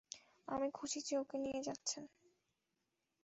আমি খুশি যে ওকে নিয়ে যাচ্ছেন।